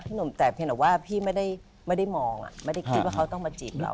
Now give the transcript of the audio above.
หนุ่มแต่เพียงแต่ว่าพี่ไม่ได้มองไม่ได้คิดว่าเขาต้องมาจีบเรา